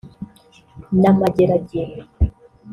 na Mageragere